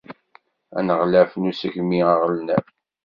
Aneɣlaf n Usegmi aɣelnaw.